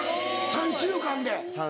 ３週間で。